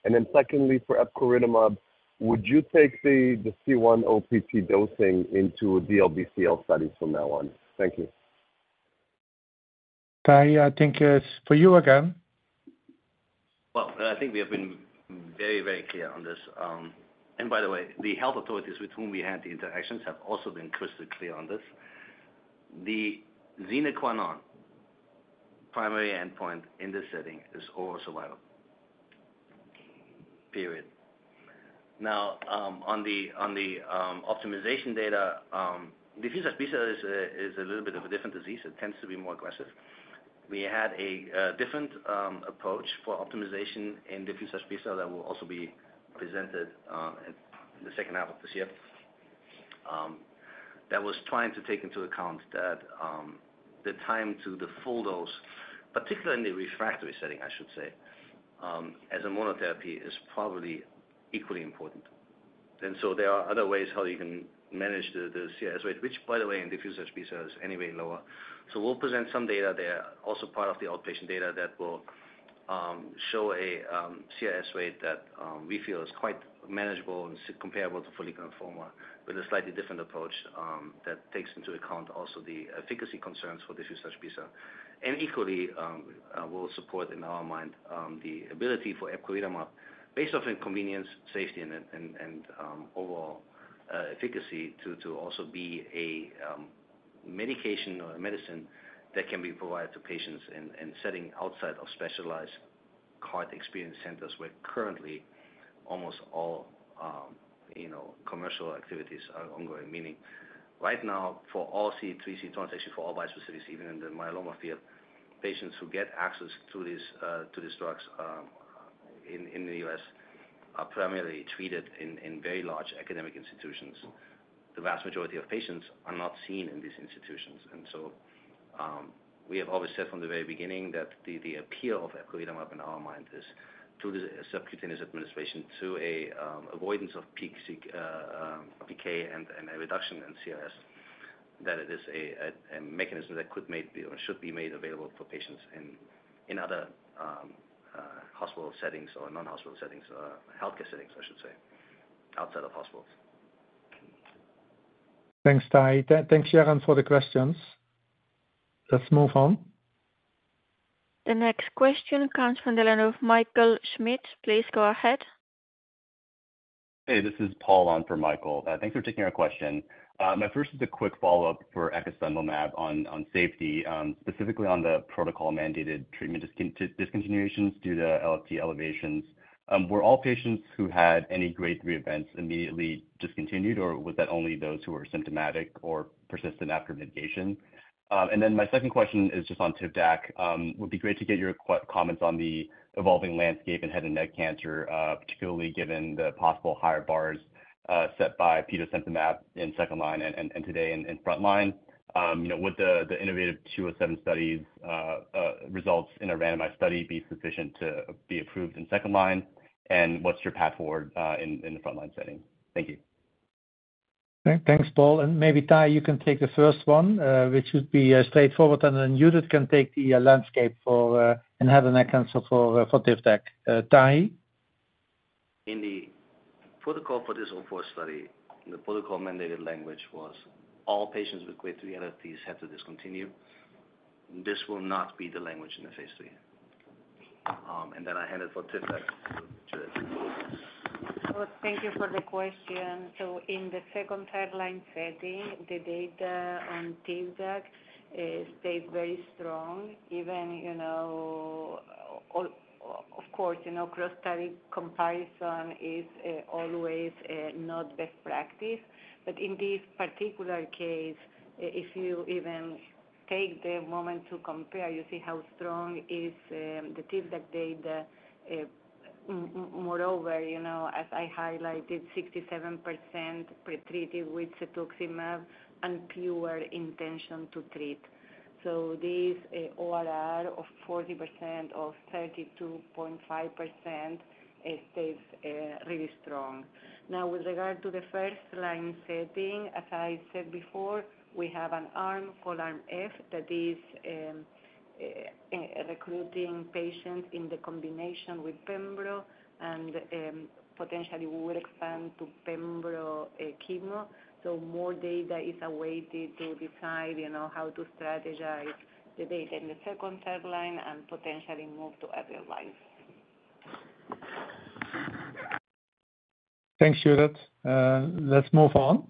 And then secondly, for epcoritamab, would you take the C1 opt dosing into the LBCL studies from now on? Thank you. Tahi, I think it's for you again. Well, I think we have been very, very clear on this. And by the way, the health authorities with whom we had the interactions have also been crystal clear on this. The sine qua non primary endpoint in this setting is overall survival. Period. Now, on the optimization data, diffuse large B-cell is a little bit of a different disease. It tends to be more aggressive. We had a different approach for optimization in diffuse large B-cell that will also be presented at the second half of this year. That was trying to take into account that, the time to the full dose, particularly in the refractory setting, I should say, as a monotherapy, is probably equally important. There are other ways how you can manage the CRS rate, which, by the way, in diffuse large B-cell is anyway lower. So we'll present some data there, also part of the outpatient data, that will show a CRS rate that we feel is quite manageable and comparable to follicular lymphoma, with a slightly different approach that takes into account also the efficacy concerns for diffuse large B-cell. And equally, will support in our mind the ability for epcoritamab, based on convenience, safety, and overall efficacy, to also be a medication or a medicine that can be provided to patients in a setting outside of specialized CAR-T experience centers, where currently almost all, you know, commercial activities are ongoing. Meaning, right now, for all CD3, CD20, actually, for all bispecific, even in the myeloma field, patients who get access to these, to these drugs, in, in the US, are primarily treated in, in very large academic institutions. The vast majority of patients are not seen in these institutions. And so, we have always said from the very beginning that the, the appeal of epcoritamab in our mind is through the subcutaneous administration, through a, avoidance of peak decay and, and a reduction in CRS, that it is a, a, a mechanism that could be made or should be made available for patients in, in other, hospital settings or non-hospital settings, healthcare settings, I should say, outside of hospitals. Thanks, Tahi. Thanks, Yaron, for the questions. Let's move on. The next question comes from the line of Michael Schmidt. Please go ahead. Hey, this is Paul on for Michael. Thanks for taking our question. My first is a quick follow-up for acasunlimab on safety, specifically on the protocol-mandated treatment discontinuations due to LFT elevations. Were all patients who had any grade three events immediately discontinued, or was that only those who were symptomatic or persistent after mitigation? And then my second question is just on Tivdak. Would be great to get your comments on the evolving landscape in head and neck cancer, particularly given the possible higher bars set by petosemtamab in second line and today in front line. You know, would the innovaTV 207 studies results in a randomized study be sufficient to be approved in second line? And what's your path forward in the front-line setting? Thank you. ... Thanks, Paul. And maybe, Tahi, you can take the first one, which should be straightforward, and then Judith can take the landscape for Tivdak. Tahi? In the protocol for this 204 study, the protocol-mandated language was all patients with Grade 3 or higher have to discontinue. This will not be the language in the phase III. And then I hand it for Tivdak to Judith. Well, thank you for the question. So in the second timeline setting, the data on Tivdak stayed very strong, even, you know, all-- of course, you know, cross study comparison is always not best practice. But in this particular case, if you even take the moment to compare, you see how strong is the Tivdak data. Moreover, you know, as I highlighted, 67% pretreated with Cetuximab and pure intention to treat. So this ORR of 40% of 32.5%, it stays really strong. Now, with regard to the first line setting, as I said before, we have an arm, called arm F, that is recruiting patients in the combination with pembro and potentially will expand to pembro chemo. So more data is awaited to decide, you know, how to strategize the data in the second timeline and potentially move to other lines. Thanks, Judith. Let's move on.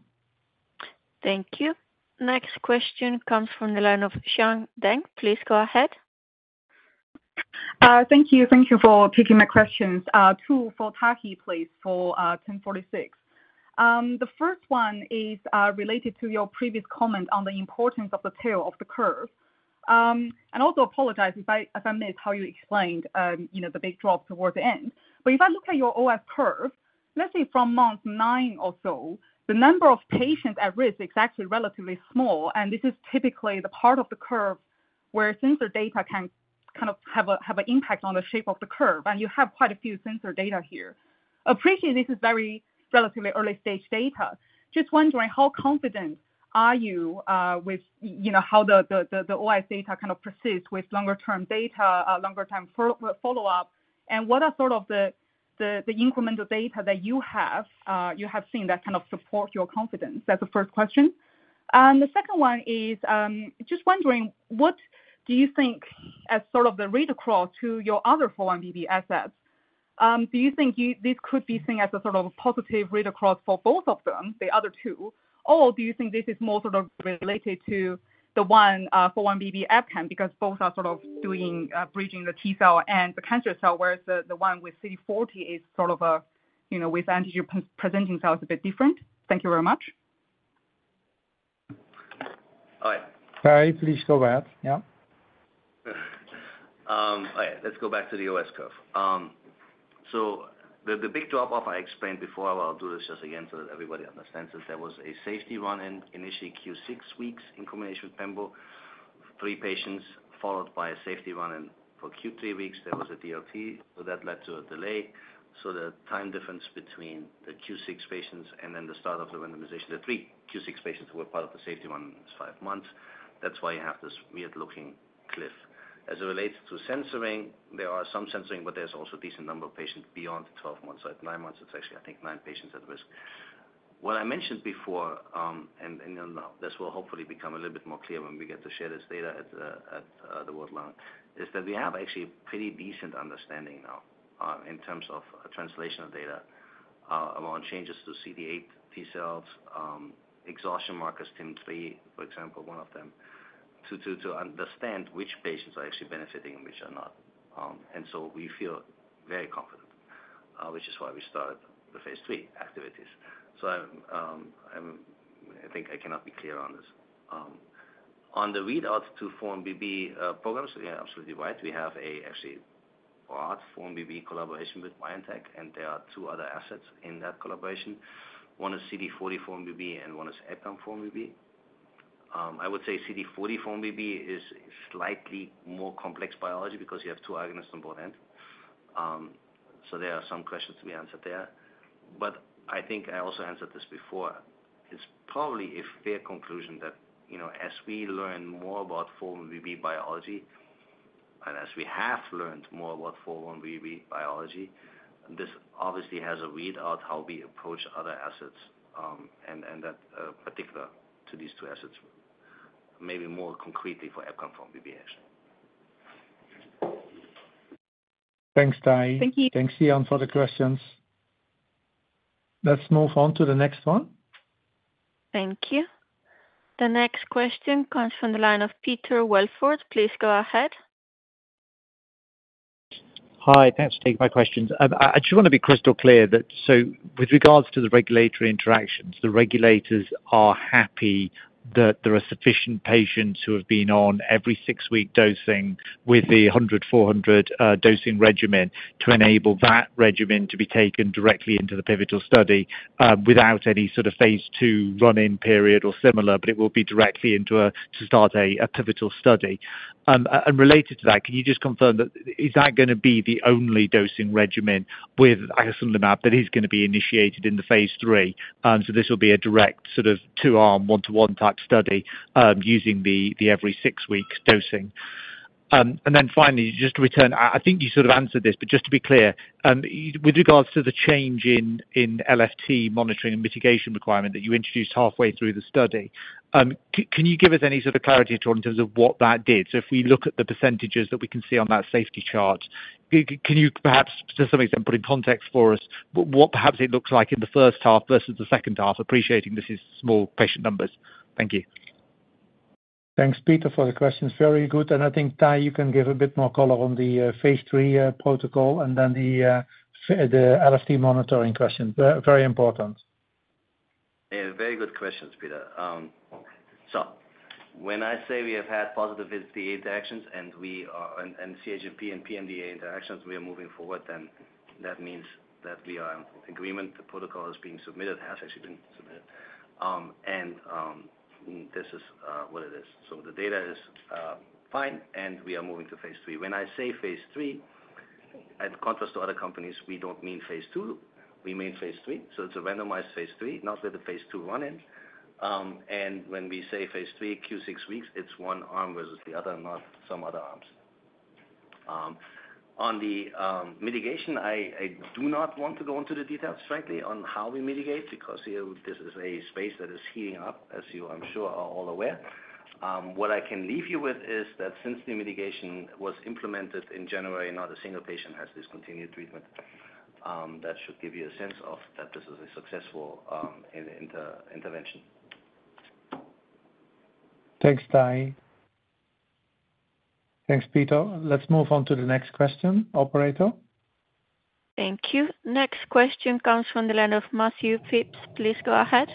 Thank you. Next question comes from the line of Xian Deng. Please go ahead. Thank you. Thank you for taking my questions. Two for Tahi, please, for 1046. The first one is related to your previous comment on the importance of the tail of the curve. And also apologize if I missed how you explained, you know, the big drop towards the end. But if I look at your OS curve, let's say from month nine or so, the number of patients at risk is actually relatively small, and this is typically the part of the curve where censor data can kind of have an impact on the shape of the curve, and you have quite a few censor data here. Appreciate this is very relatively early stage data. Just wondering, how confident are you with you know, how the OS data kind of persists with longer term data, longer term follow-up? And what are sort of the incremental data that you have seen that kind of support your confidence? That's the first question. And the second one is, just wondering, what do you think as sort of the read-across to your other 4-1BB assets? Do you think this could be seen as a sort of a positive read-across for both of them, the other two, or do you think this is more sort of related to the one, 4-1BB EpCAM? Because both are sort of doing bridging the T cell and the cancer cell, whereas the one with CD40 is sort of a, you know, with antigen-presenting cells a bit different. Thank you very much. All right. Tahi, please go ahead. Yeah. All right, let's go back to the OS curve. So the, the big drop-off I explained before, but I'll do this just again so that everybody understands, is there was a safety run in initially Q6 weeks in combination with pembro, three patients followed by a safety run in for Q3 weeks, there was a DLT, so that led to a delay. So the time difference between the Q6 patients and then the start of the randomization, the three Q6 patients who were part of the safety run, was five months. That's why you have this weird-looking cliff. As it relates to censoring, there are some censoring, but there's also a decent number of patients beyond the 12 months. So at nine months, it's actually, I think, nine patients at risk. What I mentioned before, and this will hopefully become a little bit more clear when we get to share this data at the world launch, is that we have actually a pretty decent understanding now, in terms of translational data, around changes to CD8 T cells, exhaustion markers, TIM-3, for example, one of them, to understand which patients are actually benefiting and which are not. And so we feel very confident, which is why we started the phase III activities. So I'm... I think I cannot be clear on this. On the readout to 4-1BB programs, you are absolutely right. We have a actually broad 4-1BB collaboration with BioNTech, and there are two other assets in that collaboration. One is CD40 4-1BB, and one is EpCAM 4-1BB. I would say CD40 4-1BB is slightly more complex biology because you have two agonists on board end. So there are some questions to be answered there. But I think I also answered this before. It's probably a fair conclusion that, you know, as we learn more about 4-1BB biology, and as we have learned more about 4-1BB biology, this obviously has a readout how we approach other assets, and that particular to these two assets, maybe more concretely for EpCAM 4-1BB, actually. Thanks, Tahi. Thank you. Thanks, Xian, for the questions. Let's move on to the next one. Thank you. The next question comes from the line of Peter Welford. Please go ahead. Hi, thanks for taking my questions. I just want to be crystal clear that... So with regards to the regulatory interactions, the regulators are happy that there are sufficient patients who have been on every six-week dosing with the 100, 400 dosing regimen, to enable that regimen to be taken directly into the pivotal study, without any sort of phase II run-in period or similar, but it will be directly into a pivotal study. And related to that, can you just confirm that, is that gonna be the only dosing regimen with icatibimab that is gonna be initiated in the phase III? So this will be a direct sort of 2-arm, 1-to-1 type study, using the every six-week dosing.... And then finally, just to return, I think you sort of answered this, but just to be clear, with regards to the change in LFT monitoring and mitigation requirement that you introduced halfway through the study, can you give us any sort of clarity at all in terms of what that did? So if we look at the percentages that we can see on that safety chart, can you perhaps, to some extent, put in context for us what perhaps it looks like in the first half versus the second half, appreciating this is small patient numbers? Thank you. Thanks, Peter, for the questions. Very good. And I think, Tahi, you can give a bit more color on the phase III protocol, and then the LFT monitoring question. Very, very important. Yeah, very good questions, Peter. So when I say we have had positive FDA interactions, and CHMP and PMDA interactions, we are moving forward, then that means that we are in agreement. The protocol is being submitted, has actually been submitted. And this is what it is. So the data is fine, and we are moving to phase III. When I say phase III, in contrast to other companies, we don't mean phase II, we mean phase III. So it's a randomized phase III, not with the phase II running. And when we say phase III, Q6 weeks, it's one arm versus the other, not some other arms. On the mitigation, I do not want to go into the details frankly, on how we mitigate, because, you know, this is a space that is heating up, as you, I'm sure, are all aware. What I can leave you with is that since the mitigation was implemented in January, not a single patient has discontinued treatment. That should give you a sense of that this is a successful intervention. Thanks, Tahi. Thanks, Peter. Let's move on to the next question, operator. Thank you. Next question comes from the line of Matthew Phipps. Please go ahead.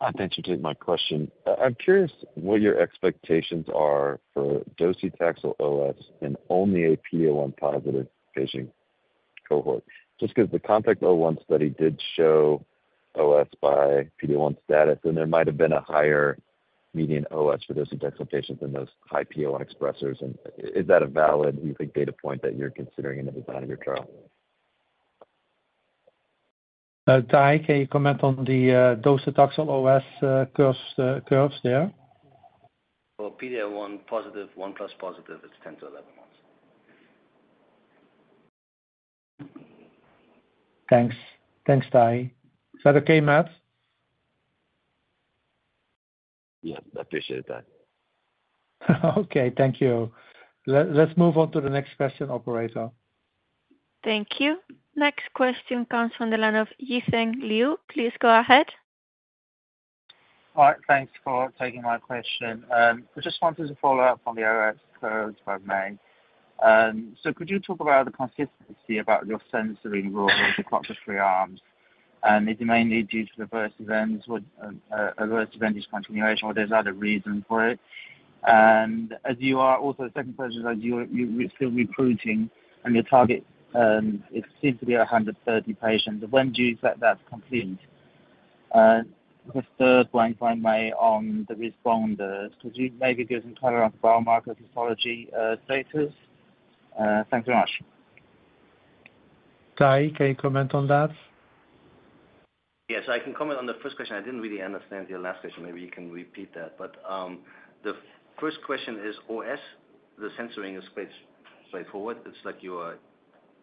I thank you for taking my question. I'm curious what your expectations are for docetaxel OS in only a PD-L1 positive patient cohort. Just 'cause the KEYNOTE-001 study did show OS by PD-L1 status, and there might have been a higher median OS for those PD-L1 expressers than those high PD-L1 expressers. Is that a valid, you think, data point that you're considering in the design of your trial? Tahi, can you comment on the docetaxel OS curves there? For PD-L1 positive, 1+ positive, it's 10-11 months. Thanks. Thanks, Tahi. Is that okay, Matt? Yeah, I appreciate that. Okay, thank you. Let's move on to the next question, operator. Thank you. Next question comes from the line of Yijing Liu. Please go ahead. Hi, thanks for taking my question. I just wanted to follow up on the OS curves, if I may. So could you talk about the consistency about your censoring rules across the three arms, and is it mainly due to adverse events or, adverse event discontinuation, or there's other reason for it? And the second question is, you are still recruiting, and your target, it seems to be 130 patients. When do you expect that's completed? The third one, if I may, on the responders, could you maybe give some color on biomarker pathology, status? Thank you very much. Tahi, can you comment on that? Yes, I can comment on the first question. I didn't really understand your last question. Maybe you can repeat that. But, the first question is OS. The censoring is quite straightforward. It's like you are...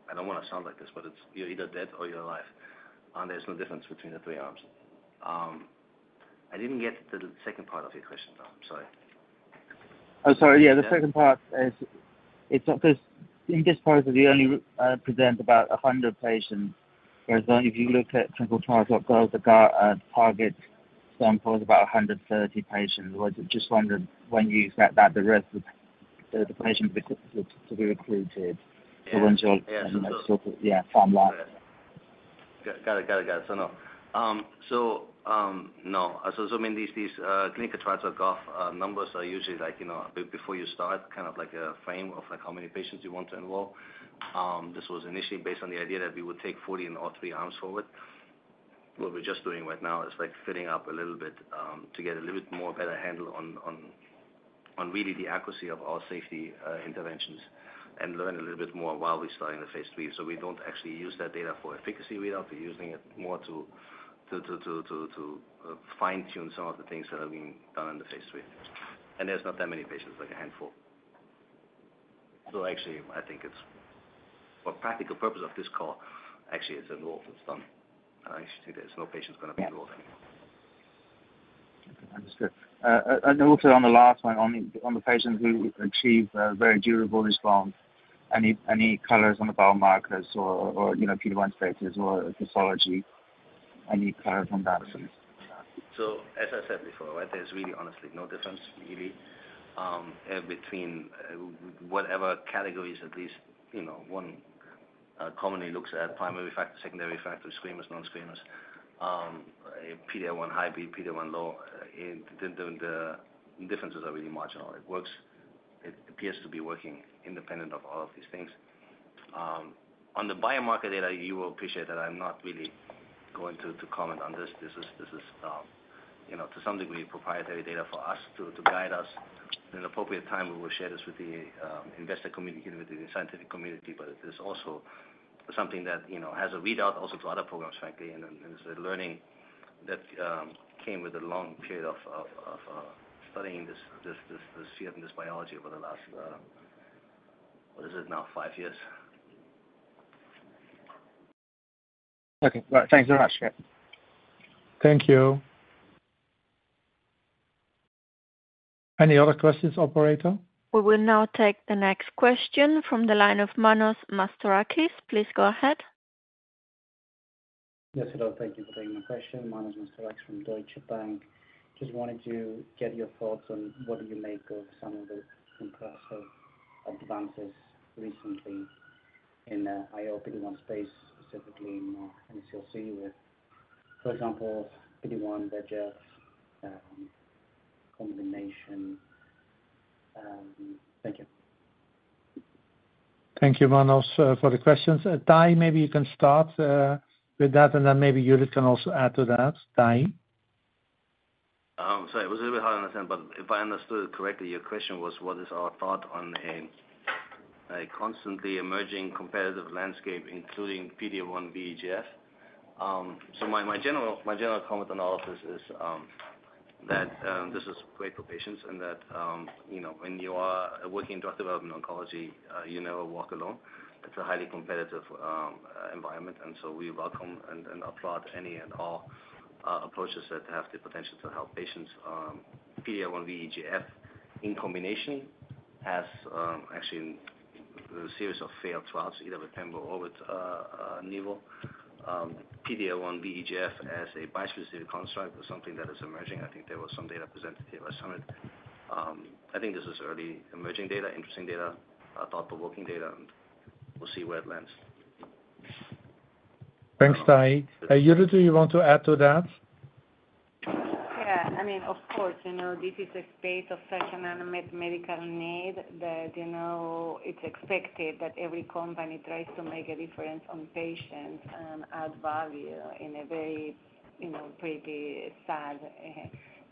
I don't wanna sound like this, but it's, you're either dead or you're alive, and there's no difference between the three arms. I didn't get to the second part of your question, though. I'm sorry. Oh, sorry. Yeah, the second part is, it's because in this part, you only present about 100 patients, whereas if you look at ClinicalTrials.gov, the goal target sample is about 130 patients. Was just wondering when you expect that the rest of the patients to be recruited? Yeah. Yeah, from that. Got it. Got it, got it. So, no. So, meaning these, these, ClinicalTrials.gov numbers are usually like, you know, before you start, kind of like a frame of, like, how many patients you want to enroll. This was initially based on the idea that we would take 40 in all three arms forward. What we're just doing right now is, like, filling up a little bit, to get a little bit more better handle on really the accuracy of our safety, interventions, and learn a little bit more while we're starting the phase III. So we don't actually use that data for efficacy. We're often using it more to fine-tune some of the things that are being done in the phase III. And there's not that many patients, like a handful. So, actually, I think it's, for practical purposes of this call, actually, it's all that's done. I see there's no patients gonna be enrolled. Understood. And also on the last one, on the patients who achieve a very durable response, any colors on the biomarkers or you know, PD-L1 status or pathology, any colors on that front? So, as I said before, right, there's really honestly no difference really between whatever categories, at least, you know, one commonly looks at primary factor, secondary factor, screeners, non-screeners, PD-L1 high, PD-L1 low, the differences are really marginal. It works. It appears to be working independent of all of these things. On the biomarker data, you will appreciate that I'm not really going to comment on this. This is, you know, to some degree, proprietary data for us to guide us. In appropriate time, we will share this with the investor community and with the scientific community, but it is also-... something that, you know, has a readout also to other programs, frankly, and it's a learning that came with a long period of studying this CF and this biology over the last, what is it now? Five years. Okay. Right. Thanks very much. Thank you. Any other questions, operator? We will now take the next question from the line of Manos Papadakis. Please go ahead. Yes, hello. Thank you for taking my question. Manos Papadakis from Deutsche Bank. Just wanted to get your thoughts on what do you make of some of the impressive advances recently in IO PD-1 space, specifically in NSCLC, with, for example, PD-1, VEGF combination. Thank you. Thank you, Manos, for the questions. Tahi, maybe you can start with that, and then maybe Judith can also add to that. Tahi? Sorry, it was a bit hard to understand, but if I understood correctly, your question was, what is our thought on a constantly emerging competitive landscape, including PD-L1 VEGF? So my general comment analysis is, that this is great for patients and that, you know, when you are working in drug development oncology, you never walk alone. It's a highly competitive environment, and so we welcome and applaud any and all approaches that have the potential to help patients. PD-L1 VEGF in combination has actually a series of failed trials, either with pembro or with nivo. PD-L1 VEGF as a bispecific construct is something that is emerging. I think there was some data presented here last summer. I think this is early emerging data, interesting data, thoughtful working data, and we'll see where it lands. Thanks, Tahi. Judith, do you want to add to that? Yeah. I mean, of course, you know, this is a space of such an unmet medical need that, you know, it's expected that every company tries to make a difference on patients and add value in a very, you know, pretty sad,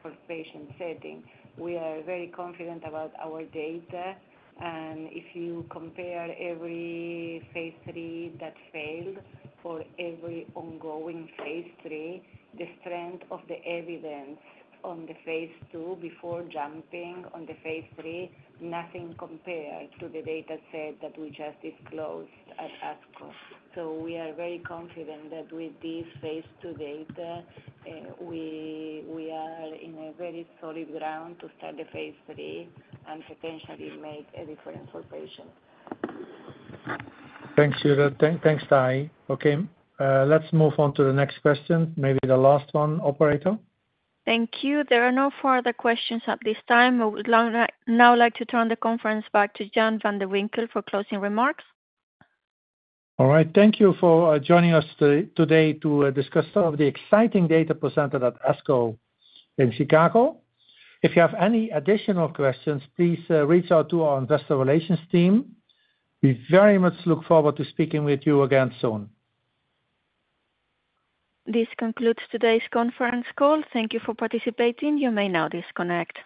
for patient setting. We are very confident about our data, and if you compare every phase III that failed for every ongoing phase III, the strength of the evidence on the phase II before jumping on the phase III, nothing compared to the data set that we just disclosed at ASCO. So we are very confident that with this phase II data, we, we are in a very solid ground to start the phase III and potentially make a difference for patients. Thanks, Judith. Thanks, Tahi. Okay, let's move on to the next question. Maybe the last one, operator. Thank you. There are no further questions at this time. I would like to turn the conference back to Jan van de Winkel for closing remarks. All right. Thank you for joining us today to discuss some of the exciting data presented at ASCO in Chicago. If you have any additional questions, please reach out to our investor relations team. We very much look forward to speaking with you again soon. This concludes today's conference call. Thank you for participating. You may now disconnect.